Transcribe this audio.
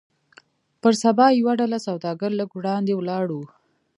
پر سبا يوه ډله سوداګر لږ وړاندې ولاړ وو.